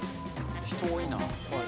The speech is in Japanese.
人多いな。